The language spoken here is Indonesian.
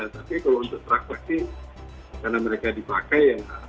tapi kalau untuk transaksi karena mereka dipakai ya